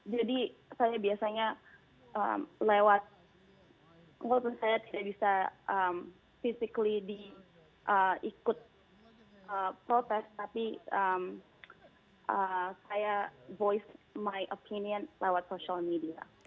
jadi saya biasanya lewat menurut saya tidak bisa secara fisik di ikut protes tapi saya menyebut opini saya lewat media sosial